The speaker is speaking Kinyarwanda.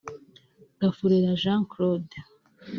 Gafurera Jean Claude